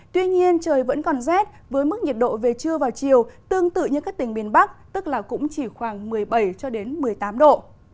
tuy nhiên trời vẫn còn rét với mức nhiệt độ về trưa vào chiều tương tự như các tỉnh miền bắc tức là cũng chỉ khoảng một mươi bảy một mươi tám độ